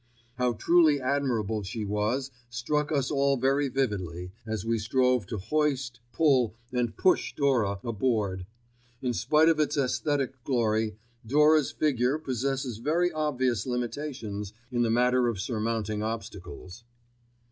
How truly admirable she was, struck us all very vividly as we strove to hoist, pull, and push Dora, aboard. In spite of its æsthetic glory, Dora's figure possesses very obvious limitations in the matter of surmounting obstacles.